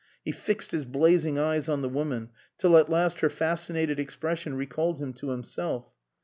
He fixed his blazing eyes on the woman till at last her fascinated expression recalled him to himself.